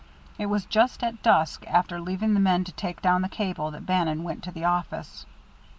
It was just at dusk, after leaving the men to take down the cable, that Bannon went to the office.